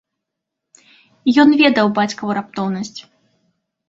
Ён ведаў бацькаву раптоўнасць.